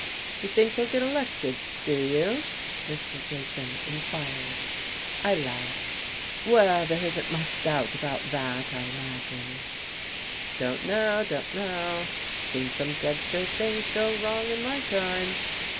"You think he'll get elected do you?" Mr. Jason inquired. I laughed. "Well, there isn't much doubt about that, I imagine." "Don't know don't know. Seen some dead sure things go wrong in my time."